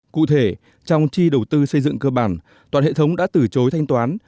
cụ thể trong chi đầu tư xây dựng cơ bản toàn hệ thống đã từ chối thanh toán